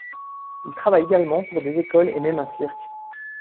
Il travaille également pour des écoles et même un cirque.